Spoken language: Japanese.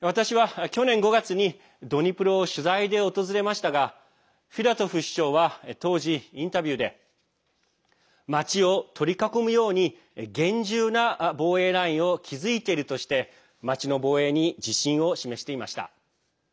私は、去年５月にドニプロを取材で訪れましたがフィラトフ市長は当時、インタビューで町を取り囲むように厳重な防衛ラインを築いているとして町の防衛に自信を示していました。